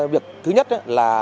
việc thứ nhất là